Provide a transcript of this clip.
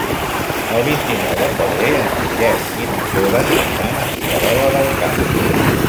El vint-i-nou de febrer en Guillem i na Cora aniran a Figuerola del Camp.